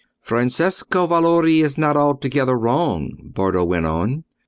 "Francesco Valori is not altogether wrong," Bardo went on.